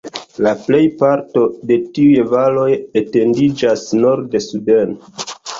La plejparto de tiuj valoj etendiĝas norde-suden.